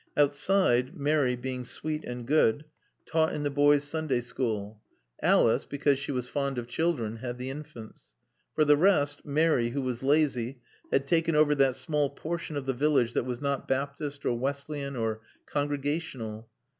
Outside, Mary, being sweet and good, taught in the boys' Sunday school; Alice, because she was fond of children, had the infants. For the rest, Mary, who was lazy, had taken over that small portion of the village that was not Baptist or Wesleyan or Congregational.